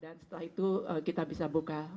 dan setelah itu kita bisa buka